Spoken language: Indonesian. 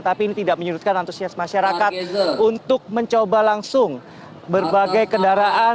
tapi ini tidak menyurutkan antusias masyarakat untuk mencoba langsung berbagai kendaraan